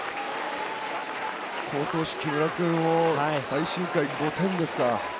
好投手、木村君を最終回５点ですか。